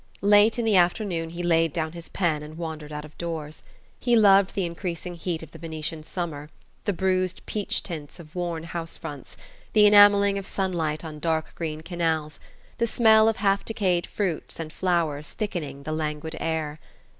Late in the afternoon he laid down his pen and wandered out of doors. He loved the increasing heat of the Venetian summer, the bruised peach tints of worn house fronts, the enamelling of sunlight on dark green canals, the smell of half decayed fruits and flowers thickening the languid air.